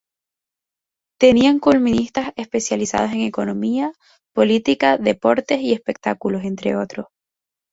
Tenían columnistas especializados en economía, política, deportes y espectáculos, entre otros.